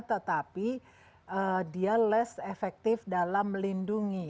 tetapi dia less efektif dalam melindungi